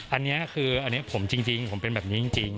อันนี้คืออันนี้ผมจริงผมเป็นแบบนี้จริง